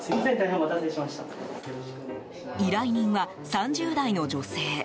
依頼人は３０代の女性。